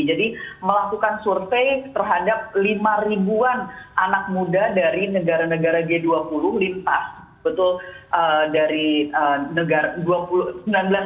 jadi melakukan survei terhadap lima ribuan anak muda dari negara negara g dua puluh limpas